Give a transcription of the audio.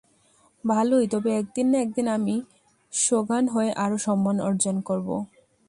ভালোই, তবে একদিন না একদিন আমি সোগান হয়ে আরো সম্মান অর্জন করব।